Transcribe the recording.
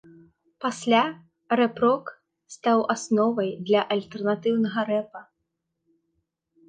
Пасля рэп-рок стаў асновай для альтэрнатыўнага рэпа.